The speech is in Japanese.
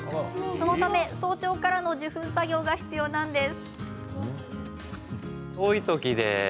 そのため早朝からの受粉作業が必要なのです。